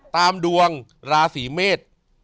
ตามดวงราศีเมษ